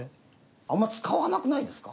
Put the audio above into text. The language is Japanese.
あんま使わなくないですか？